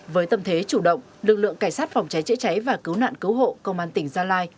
với tâm thế chủ động lực lượng cảnh sát phòng cháy chữa cháy và cứu nạn cứu hộ công an tỉnh gia lai